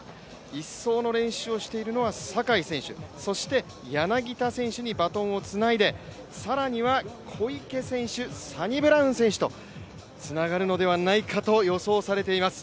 １走の練習をしているのは坂井選手、そして柳田選手にバトンをつないで更には小池選手、サニブラウン選手とつながるのではないかと予想されています。